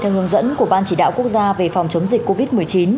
theo hướng dẫn của ban chỉ đạo quốc gia về phòng chống dịch covid một mươi chín